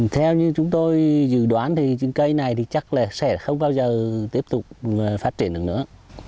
theo như chúng tôi dự đoán cây này chắc sẽ không bao giờ tiếp tục phát triển được nữa